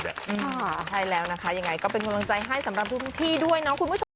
ใช่แล้วนะคะยังไงก็เป็นกำลังใจให้สำหรับทุกที่ด้วยเนาะคุณผู้ชม